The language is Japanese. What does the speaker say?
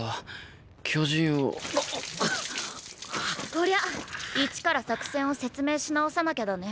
こりゃ一から作戦を説明し直さなきゃだね。